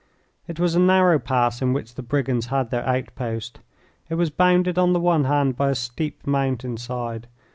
It was a narrow pass in which the brigands had their outpost. It was bounded on the one hand by a steep mountain side.